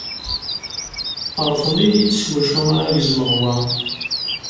Rḍel-iyi-d s wacu ara gezmeɣ wa.